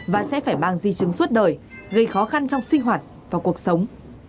và sẽ phải mang di chứng suốt đời gây khó khăn trong sinh hoạt và cuộc sống